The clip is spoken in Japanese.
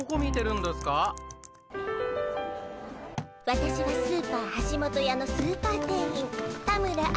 私はスーパーはしもとやのスーパー店員田村愛。